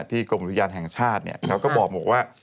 ที่กรมวิทยาลแห่งชาติเนี่ยเขาก็บอกว่า